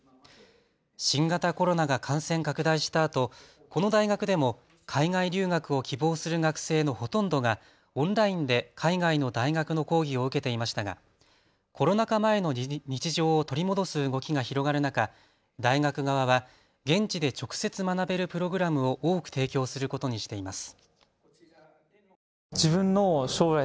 新型コロナが感染拡大したあとこの大学でも海外留学を希望する学生のほとんどがオンラインで海外の大学の講義を受けていましたがコロナ禍前の日常を取り戻す動きが広がる中、大学側は現地で直接学べるプログラムを多く提供することにしています。